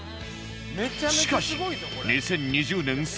しかし２０２０年再始動